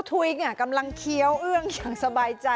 ดูหน้าปู่ถุยกันหน่อยค่ะ